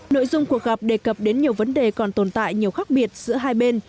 nội dung cuộc gặp đề cập đến nhiều vấn đề còn tồn tại nhiều khác biệt giữa hai bên